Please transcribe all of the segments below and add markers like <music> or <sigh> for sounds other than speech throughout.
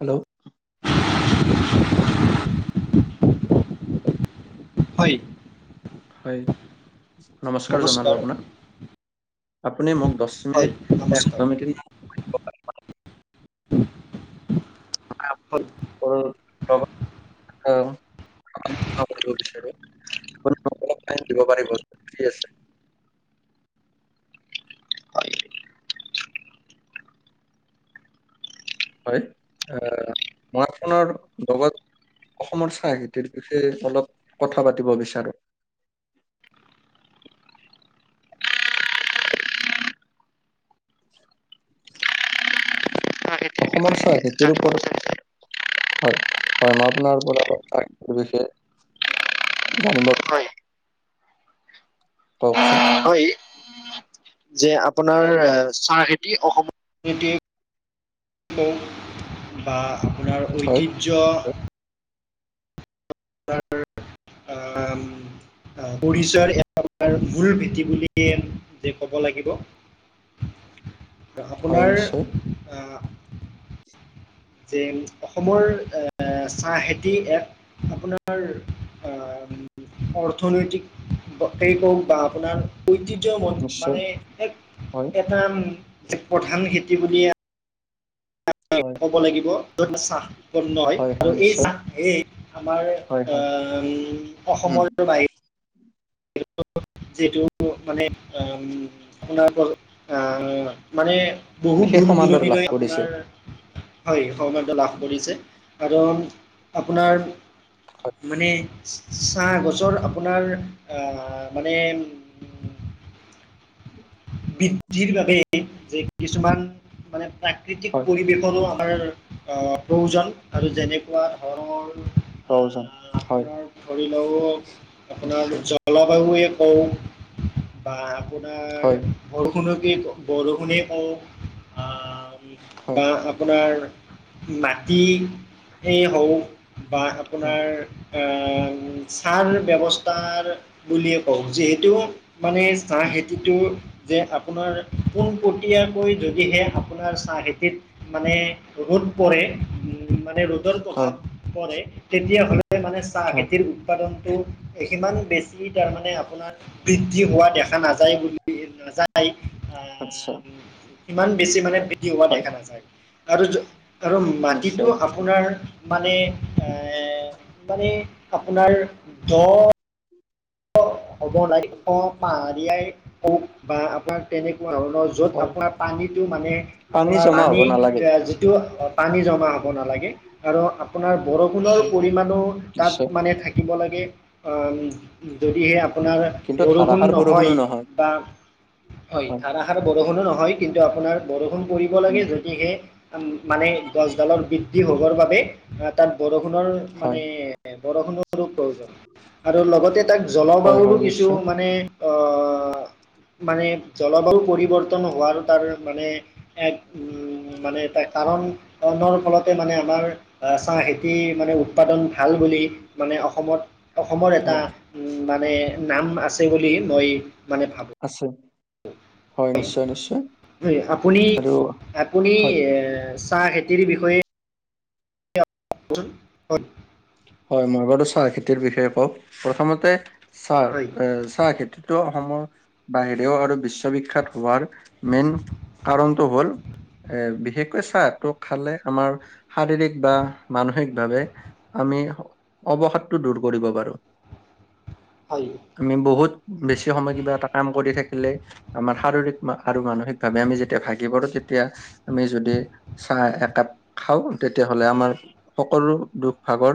Hello <unintelligible> হয় হয় নমস্কাৰ জনালো আপোনাক আপুনি মোক দহ হয় মিনিট নমস্কাৰ হয় <unintelligible> লৌ মৰিব বিচাৰু দিব পাৰিব বুলি আছে হয় হয় আহ ঘৰ খনৰ লগত অসমৰ চাহ খেতিৰ বিষয়ে অলপ কথা পাতিব বিচাৰো চাহখেতিৰ অসমৰ বিষয়ে চাহ খেতিৰ জানিব ওপৰত বিচাৰিছে হয় হয় মই আপোনাৰ পৰা অলপ বিষয় জানিব হয় বিচাৰো কওকচোন। হই যে আপোনাৰ চাহ খেতি অসমৰ খেতি বা আপোনাৰ হয় ঐতিহ্য আমাৰ আ পৰিচয়ৰ এটা আমাৰ মূল ভেটি বুলি এই কব লাগিব। <inaudible> হয় আপোনাৰ নিশ্চয় আহ যে অসমৰ এ চাহ খেতি এক আপোনাৰ অহ অৰ্থনৈতিকে কওক বা আপোনাৰ ঐতিয্য নিশ্চয় মানে এক হয় এটা প্ৰধান খেতি বুলি আ হয় কব লাগিব চাহ উৎপন্ন হয় আৰু এই চাহ য়েই আমাৰ হয় হয় উম উম অসমৰ বাহিৰ <unintelligible> আপোনাৰ পল আহ মানে বহুত বিশেষ দূৰ সমাদৰ লাভ দূৰণিলৈ কৰিছে আপোনাৰ হয় সুনাদ্য লাভ কৰিছে আৰু আপোনাৰ হয় মানে চাহ গছৰ আপোনাৰ আহ মানে বৃদ্ধিৰ বাবে যে কিছুমান মানে প্ৰাকৃতিক হয় পৰিৱেশৰো আমাৰ আহ প্ৰয়োজন আৰু যেনেকুৱা ধৰনৰ প্ৰয়োজন আ হয় আপোনাৰ ধৰি লওঁক আপোনাৰ নিশ্চয় জ জলাবায়ে হওঁক বা আপোনাৰ হয় বৰষুণকে বৰষুণেই কওঁক আ হয় বা আপ আপোনাৰ মাটিয়েই হওঁক বা উম আপোনাৰ আ ছাৰ ব্যৱস্থাৰ বুলিয়ে কওঁক যিহেতু মানে চাহ হয় খেতিটো যে আপোনাৰ পোনপটীয়াকৈ যদিহে আপোনাৰ চাহ খেতিত মানে ৰ'দ পৰে, উম মানে ৰ'দৰ প্ৰভাৱ হয় পৰে তেতিয়াহ'লে মানে চাহ হয় খেতিৰ উৎপাদনটো সিমান বেছি তাৰমানে আপোনাৰ বৃদ্ধি হোৱা দেখা নাযায় বুলি নাযায় আচ্ছা। ইমান বেছি মানে বৃদ্ধি হোৱা হয় দেখা নাযায় আৰু য কাৰণ নিশ্চয় মাটিটো নিশ্চয় আপোনাৰ। মানে এ মানে আপোনাৰ দ'। হ'ব লাগিব পাহাৰীয়াই কওক বা আপোনাক তেনেকুৱা হ য'ত হয় আপোনাৰ পানীটো মানে আপোনাৰ জমা হ'ব পানী নালাগে যিটো। পানী জমা হ'ব নালাগে। আৰু আপোনাৰ বৰষুণৰ হয় পৰিমাণো তাত নিশ্চয় মানে থাকিব লাগে। অ', যদিহে আ আপোনাৰ কিন্তু বৰষুণ ধাৰাসাৰ নহয় বৰষুণো বা হয় ধৰা। আৰু বৰষুণো নহয় কিন্তু আপোনাৰ বৰষুণ পৰিব লাগে উম যদিহে। মানে গছডালৰ বৃদ্ধি হ'বৰ বাবে তাত বৰষুণৰ হয় মানে। বৰষুণো বাৰু প্ৰয়োজন আৰু লগতে তাক হয় জলবায়ুও হয় কিছু নিশ্চয় মান। মানে আহ মানে জলবায়ু পৰিৱৰ্তন হোৱাৰ তাৰ মানে। এক উম, মানে এটা কাৰণ। বৰষুণ ফলতে মানে আমাৰ আহ চাহ খেতি মানে উৎপাদন ভাল বুলি। মানে অসমত। অসমৰ এটা হয় মানে নাম আছে বুলি মই মানে ভাবোঁ। আছে। হয় নিশ্চয় নিশ্চয় আপুনি আৰু আপুনি। হয় চাহ খেতিৰ বিষয়ে। বোলো হয়। হয় মই বাৰু চাহ খেতিৰ বিষয়ে কওঁ প্ৰথমতে হয় চাহ এ চাহ খেতিত তো অসমৰ বাহিও আৰু বিশ্ব বিখ্যাত হোৱাৰ মেইন কাৰণটো হ'ল। এ বিশেষকৈ চাহটো খালে আমাৰ শাৰীৰিক বা মানসিকভাৱে। আমি অৱসাদটো দূৰ কৰিব পাৰোঁ। পাৰি। আমি বহুত বেছি সময় কিবা এটা কাম কৰি থাকিলে। আমাৰ শাৰীৰিক আৰু মানসিক ভাৱে আমি যেতিয়া ভাগি পৰো তেতিয়া আমি যদি। চাহ একাপ খাওঁ তেতিয়াহ'লে আমাৰ সকলো দুখ ভাগৰ।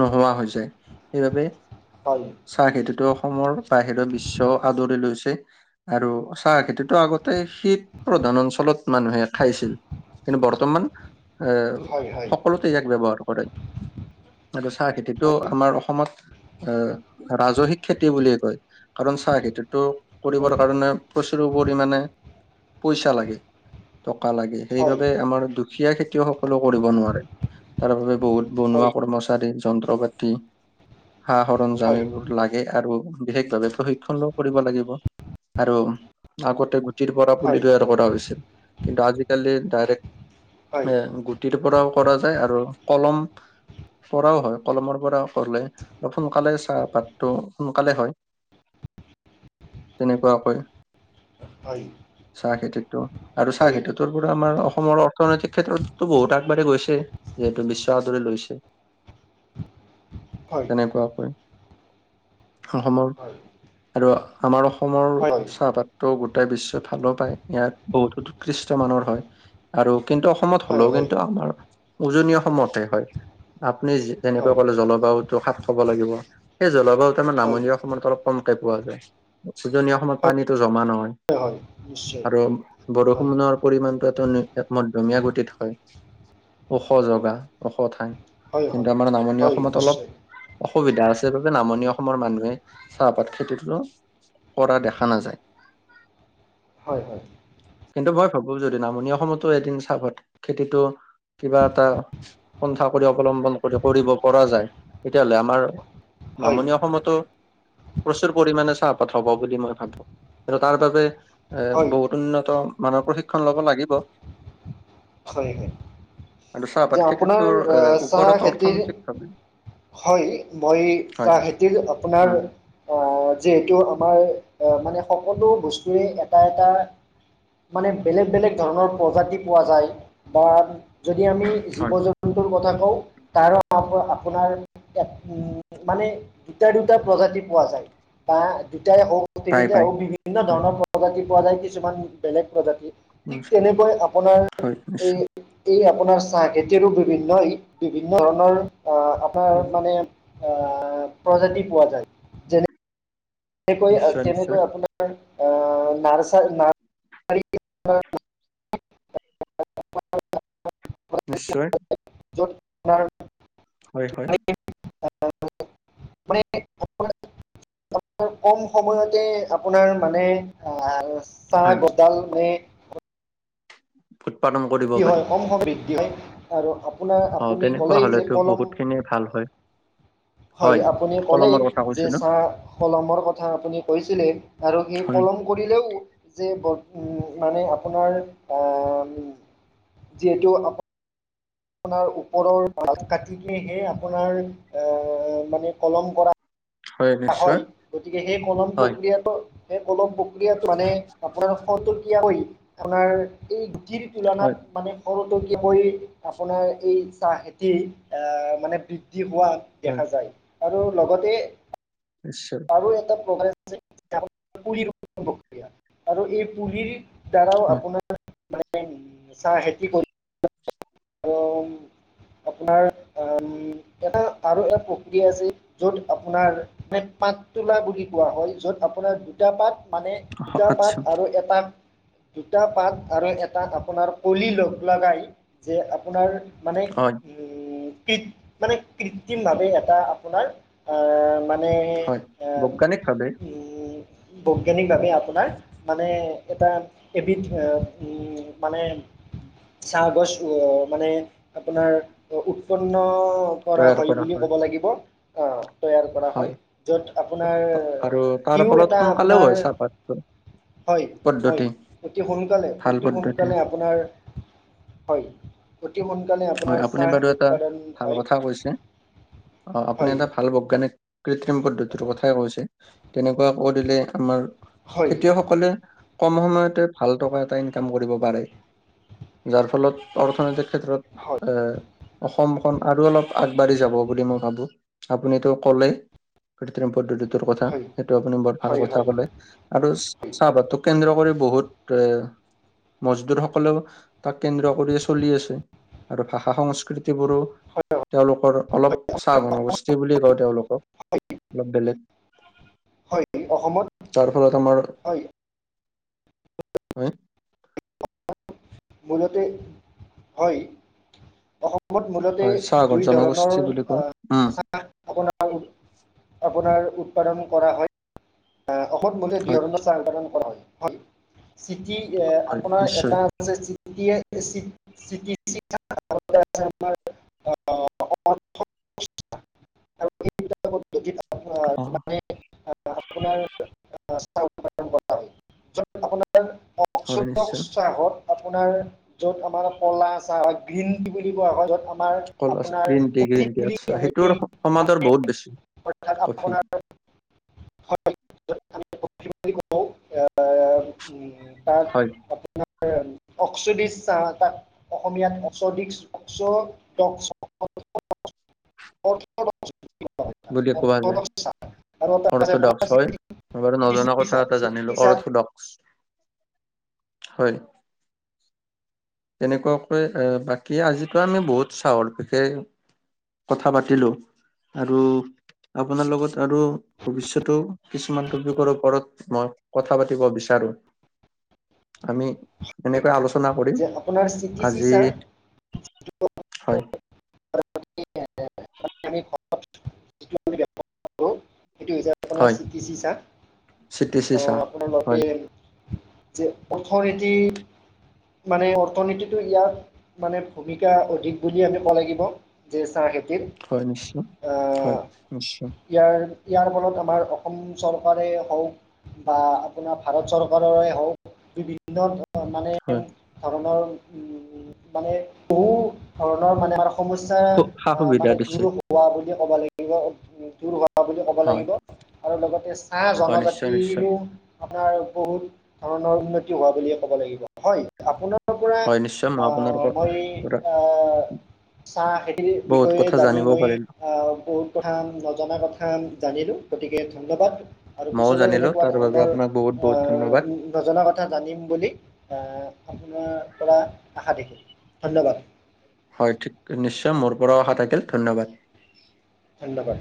নোহোৱা হৈছে সেইবাবে। হয়। চাহ খেতিটো অসমৰ বাহিৰৰ বিশ্ব আদৰি লৈছে। আৰু চাহ খেতিটো আগতে শীত প্ৰধান অঞ্চলত মানুহে খাইছিল। কিন্তু বৰ্তমান এ হয় হয় সকলোতে ইয়াক ব্যৱহাৰ কৰে। আৰু চাহ খেতিটো আমাৰ অসমত। আহ', ৰাজহিক খেতি বুলি কয় কাৰণ চাহ খেতিটো। কৰিবৰ হয় কাৰণে প্ৰচুৰ পৰিমাণে পইচা লাগে টকা লাগে। হয় হয় সেইবাবে আমাৰ দুখীয়া খেতিও সকলো কৰিব নোৱাৰে তাৰ বাবে বহুত হয় বনোৱা। কৰ্মচাৰী যন্ত্ৰ পাতি সা হয় হয় হয় সৰযামীবোৰ। লাগে আৰু বিশেষভাৱে প্ৰশিক্ষণও কৰিব লাগিব আৰু আগতে। গুটিৰ পৰা পুলি হয় তৈয়াৰ কৰা হৈছিল কিন্তু আজিকালি ডাইৰেক্ট হয় হয় এ। গুটিৰ পৰাও কৰা যায় আৰু কলম। পৰাও হয় কলমৰ পৰা কৰিলে অলপ সোনকালে চাহপাত টো সোনকালে হয়। তেনেকুৱা কৈ। হয়। চাহ খেতিটো আৰু চাহ হয় খেতি পৰা আমাৰ অসমৰ অৰ্থনৈতিক ক্ষেত্ৰতো বহুত আগবাঢি গৈছে যিহেতু বিশ্ব আদৰি লৈছে। হয় তেনেকুৱাকৈ অসমৰ। আৰু আমাৰ অসমৰ হয় হয় চাহপাত তো গোটেই বিশ্বই ভালো পায় ইয়াৰ বহুতো উৎকৃষ্ট মানৰ হয়। আৰু কিন্তু অসমত হয় হ'লেও কিন্তু হয় আমাৰ উজনি অসমতে হয়। আপুনি যেনেকৈ কলে জলবায়ুতটো খাপ খাব লাগিব। সেই জলবায়ু আমাৰ নামনি অসমত অলপ কমকে পোৱা যায়। উজনি অসমত পানীটো জমা নহয়। হয় হয় নিশ্চয় আৰু হয় বৰষুণৰ পৰিমানটো এটা মধ্যমীয়া গতিত হয়। ওখ হয় জগা ওখ ঠাই হয় কিন্তু হয় আমাৰ নামনি হয় অসমত অলপ। নিশ্চয় অসুবিধা আছে বাবে নামনি অসমৰ মানুহে চাহপাত খেতিতো। কৰা দেখা নাযায়। হয় হয়। কিন্তু মই ভাবো যদি নামনি অসমতো এদিন চাহ পাত খেতিটো কিবা এটা পন্থা অৱলম্বন কৰি কৰিব পৰা যায় তেতিয়াহলে আমাৰ হয় নামনি অসমতো। প্ৰচুৰ পৰিমাণে চাহপাত হ'ব বুলি মই ভাবো। আৰু তাৰ বাবে এ হয় বহুত উন্নত মানৰ প্ৰশিক্ষণ লব লাগিব। হয় আৰু চাহপাত যে খেতিটোৰ আপোনাৰ এ আহ ওপৰত চাহ খেতিৰ অৰ্থনৈতিক ভাৱে হয় মই হয় চাহ খেতিৰ আপোনাৰ উম আহ যিহেতু আমাৰ মানে সকলো বস্তুৰে এটা এটা মানে বেলেগ বেলেগ ধৰণৰ প্ৰজাতি পোৱা যায় বা যদি আমি জীৱ হয় জন্ <unintelligible> তুৰ কথা কওঁ তাৰ আপোনাৰ উ মানে দুটা দুটা প্ৰজাতি পোৱা যায় বা দুটাই হওক পাই তিনিটা পাই হওক বিভিন্ন হয় ধৰণৰ প্ৰজাতি পোৱা যায় কিছুমান বেলেগ প্ৰজাতি উম ঠিক তেনেকৈ আপোনাৰ হয় এই নিশ্চয় এই আপোনাৰ চাহ খেতিৰো বিভিন্ন ই বিভিন্ন ধৰণৰ আহ আপোনাৰ হয় মানে আহ প্ৰজাতি পোৱা যায় যেনে তেনেকৈ নিশ্চয় তেনেকৈ নিশ্চয় আপোনাৰ ন <inaudible> <inaudible> নিশ্চয়। হয় হয় <unintelligible> কম সময়তে আপোনাৰ মানে হয় চাহ গডাল মানে উৎপাদন কৰিব কি পাৰি হয় কম সম বৃদ্ধি হয় আৰু আপোনাৰ অ আপুনি তেনেকুৱা ক'লেই যে হলেতো কলম। বহুত খিনিয়ে ভাল হয়। হয় আপুনি ক'লেই কলমৰ কথা যে কৈছিলো চাহ কলমৰ কথা আপুনি কৈছিলে আৰু সেই হয় কলম কৰিলেও যে মানে আপোনাৰ যিহেতু আপোনাৰ ওপৰৰ ভাত কাট কিহে আপোনাৰ এ মানে কলম কৰা হয় গতিকে সেই কলম হয় প্ৰক্ৰিয়াটো সেই কলম প্ৰক্ৰিয়াত মানে আপোনাৰ খৰতকীয়া কৈ আপোনাৰ এই গুটি হয় তুলনাত মানে খৰটকীয়া কৈ আপোনাৰ এই চাহ খেতি মানে বৃদ্ধি হোৱাত হয় দেখা যায়। আৰু লগতে <unintelligible> আৰু এটা ক'ভাৰেজ আছে পুলি ৰোৱা প্ৰক্ৰিয়া আৰু এই পুলী দ্বাৰাও হয় আপোনাৰ <unintelligible> আপোনাৰ আ উম এটা আৰু এক প্ৰক্ৰিয়া আছিল‌‌ য'ত আপোনাৰ মানে পাত তোলা বুলি কোৱা হয়। য'ত আপোনাৰ দুটা পাত মানে দুটা পাত আচ্ছা আৰু এটা দুটা পাত আৰু এটা আপোনাৰ কলি লগ লগাই যে আপোনাৰ মানে হয় উম কৃত মানে কৃত্ৰিম ভাৱে এটা আপোনাৰ আহ মানে হয় বৈজ্ঞানিক ভাৱে বৈজ্ঞানিক ভাৱে আপোনাৰ মানে এটা হেবিট উম মানে চাহ গছ ও মানে আপোনাৰ উৎপন্ন কৰা হয় বুলি ক'ব লাগিব। অঁ তৈয়াৰ কৰা হয়। য'ত আপোনাৰ আৰু তাৰ সিও ফলত এটা সোনকালেও আপোনাৰ হয় চাহপাত হয় পদ্ধতি হয়, অতি সোনকালে ভাল অতি পদ্ধতি সোনকালে আপোনাৰ হয়। অতি সোনকালে হয় আপোনাৰ আপুনি বাৰু চাহ এটা উৎপাদন ভাল হয়। কথা কৈছে অ আপুনি হয় এটা ভাল বৈজ্ঞানিক কৃত্ৰিম পদ্ধতিৰ কথাই কৈছে, তেনেকুৱা কৰিলে আমাৰ হয় খেতিয়ক সকলে কম সময়তে ভাল টকা এটা ইনকাম কৰিব পাৰে। যাৰ ফলত অৰ্থনৈতিক হয় ক্ষেত্ৰত এ অসমখন আৰু অলপ আগবাঢ়ি যাব বুলি মই ভাবো আপুনিতো ক'লে। কৃত্ৰিম পদ্ধতিটোৰ কথা হয় সেটো আপুনি বৰ ভাল হয় কথা হয় ক'লে। আৰু হয় চাহপাতক কেন্দ্ৰ কৰি বহুত এ মজদুৰ সকোলেও তাক কেন্দ্ৰ কৰি চলি আছে। আৰু ভাষা সংস্কৃ তি বোৰো হয় তেওঁলোকৰ অলপ চাহ জনগোষ্ঠী বুলি কওঁ তেওঁলোকক। অলপ বেলেগ হয় অসমত তাৰ ফলত আমাৰ, হয় হে? মূলতে হয় অসম অসমত মূলতে হয় চাহ দুই ধৰণৰ জনগোষ্ঠী বুলি কওঁ উম চাহ চাহ আপোনাৰ উৎপাদন কৰা হয়। অসম মূলতে হয় চাহ উৎপাদন কৰা হয়। হয় চিটি হয় আপোনাৰ নিশ্চয় এটা <unintelligible> আৰু এই দুটা পদ্ধতিত অঁহ'। মানে আপোনাৰ চাহ উৎপাদন কৰা হয়। চ' আপোনাৰ হয় নিশ্চয় <unintelligible> চাহত আপোনাৰ য'ত আমাৰ ক'লা চাহক গ্ৰীণ টি বুলি কোৱা হয়। য'ত আমাৰ কলা চাহ আপোনাৰ green tea coffee green tea বুলি আচ্ছা। আমি সেইটোৰ সমাদৰ বহুত বেছি কফি। <unintelligible> হয় অক্সিডিচ চাহ এটা অসমীয়াত অক্সডিচ অক্সডক্স অৰ্থডক্স বুলি কোৱা হয় বুলি তাক কোৱা যায় অৰ্থডক্স চাহ। আৰু এটা আছে আপোনাৰ অৰ্থডক্স হয়। মই বাৰু চিটিচি নজনা কথা চাহ এটা চিটিচি জানিলো চাহ অৰ্থডক্স। হয়। তেনেকুৱাকৈ অ বাকী আজিতো আমি বহুত চাহৰ বিশে কথা পাতিলো আৰু আপোনাৰ লগত আৰু ভৱিষ্যতো কিছুমান তপিকৰ ওপৰত মই কথা পাতিব বিচাৰো। আমি এনেকৈ আলোচনা কৰিম। যে আপোনাৰ স্থিতি চি আজি চাহ। হয়। আমি যিটো আমি ব্যৱহাৰ কৰোঁ সেইটো হৈছে আপোনাৰ হয় চিতি চি চি টি চি চাহ। অহ চাহ আপোনাৰ মতে হয় যে অৰ্থনীতি মানে অৰ্থনীতিটো ইয়াত মানে ভূমিকা অধিক বুলি আমি কব লাগিব যে চাহ খেতিত। হয় নিশ্চয়, হয় নিশ্চয়। ইয়াৰ ইয়াৰ ফলত আমাৰ অসম চৰকাৰে হওক বা আপোনাৰ ভাৰত চৰকাৰৰে হওক বিভিন্ন ধৰ মানে হয় ধৰণৰ উম, মানে বহু ধৰণৰ মানে আমাৰ সমস্ খুব সা অ, সুবিধা মানে দিছে দূৰ হোৱা বুলি ক'ব লাগিব, দূৰ হোৱা বুলি ক ব হয় লাগিব আৰু লগতে চাহ হয় নিশ্চয় নিশ্চয় জনজাতিৰো আপোনাৰ বহুত ধৰণৰ উন্নতি হোৱা বুলিয়ে ক'ব লাগিব। হয়, আপোনাৰ পৰা হয় নিশ্চয় মই অ আপোনালোকৰ মই পৰা অ চাহ খেতিৰ বহুত বিষয়ে কথা জানি জানিব মই পাৰিলো আহ বহুত কথা নজনা কথা জানিলো গতিকে ধন্যবাদ। আৰু মইও পিছলৈ জানিলো এনেকুৱা তাৰ বাবে ধৰণৰ আপোনাক বহুত বহুত ধন্যবাদ আহ নজনা কথা জানিম বুলি অ আপোনাৰ পৰা আশা থাকিল, ধন্যবাদ। হয় ঠিক নিশ্চয়, মোৰ পৰাও আশা থাকিল, ধন্যবাদ। ধন্যবাদ।